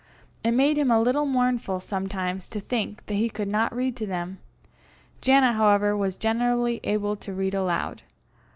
It made him a little mournful sometimes to think that he could not read to them. Janet, however, was generally able to read aloud.